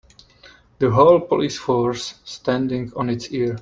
The whole police force standing on it's ear.